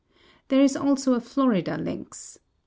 There is also a Florida lynx.